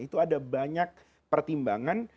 itu ada banyak pertimbangan